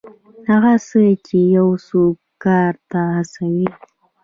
هغه څه چې یو څوک کار ته هڅوي.